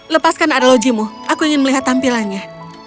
lepaskan analogimu aku ingin melihat tampilannya